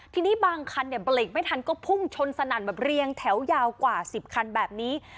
ทีนี้บางคันเนี่ยเบรกไม่ทันก็พุ่งชนสนั่นแบบเรียงแถวยาวกว่า๑๐คันแบบนี้